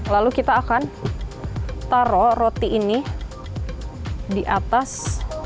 lalu kita akan taruh roti ini di atas